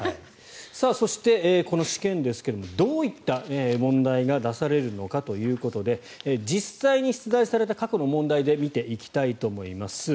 そして、この試験ですがどういった問題が出されるのかということで実際に出題された過去の問題で見ていきたいと思います。